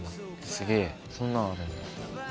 すげぇそんなのあるんだ。